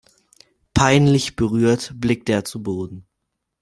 Peinlich berührt blickte er zu Boden.